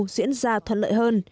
diễn ra thuận lợi hơn